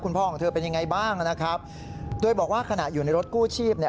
พ่อของเธอเป็นยังไงบ้างนะครับโดยบอกว่าขณะอยู่ในรถกู้ชีพเนี่ย